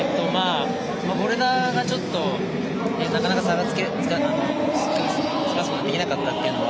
ボルダーがちょっとなかなか差をつけることができなかったなと。